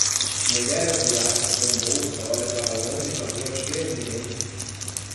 Mulher asiática com bolsa olha para longe na rua cheia de gente